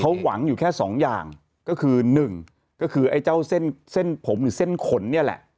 เขาหวังอยู่แค่สองอย่างก็คือหนึ่งก็คือไอ้เจ้าเส้นเส้นผมหรือเส้นขนเนี่ยแหละ